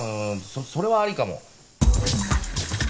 それはありかも。